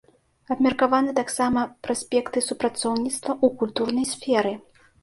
Абмеркаваны таксама праспекты супрацоўніцтва ў культурнай сферы.